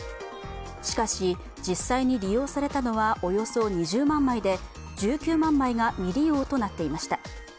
しかし、実際に利用されたのはおよそ２０万枚で１９万枚が未利用となっていました。